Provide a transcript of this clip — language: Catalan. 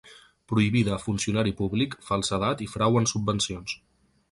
Prohibida a funcionari públic, falsedat i frau en subvencions.